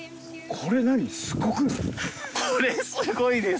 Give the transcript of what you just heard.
これすごいです！